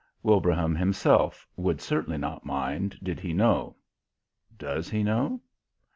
Wilbraham himself would certainly not mind did he know. (Does he know?)